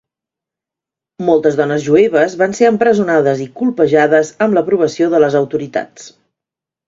Moltes dones jueves van ser empresonades i colpejades amb l'aprovació de les autoritats.